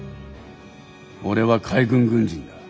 俺は海軍軍人だ。